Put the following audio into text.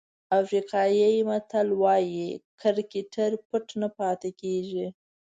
افریقایي متل وایي کرکټر پټ نه پاتې کېږي.